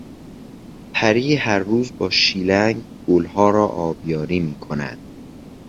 پری هر روز با شیلنگ گلها را آبیاری میکند.